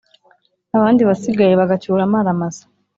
abandi basigaye bagacyura amara masa.